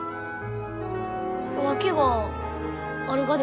訳があるがですか？